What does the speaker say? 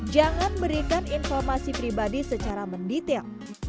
jangan berikan informasi pribadi secara mendetail